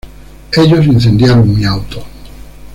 Ellos incendiaron mi auto.